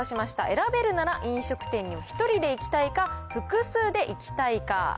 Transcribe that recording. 選べるなら飲食店に１人で行きたいか、複数で行きたいか。